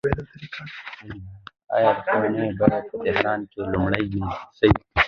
آیا د کورونو بیې په تهران کې لوړې نه دي؟